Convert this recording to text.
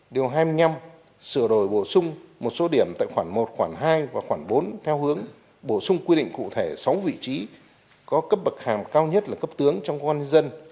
điều hai mươi năm sửa đổi bổ sung một số điểm tại khoản một khoản hai và khoảng bốn theo hướng bổ sung quy định cụ thể sáu vị trí có cấp bậc hàm cao nhất là cấp tướng trong công an nhân dân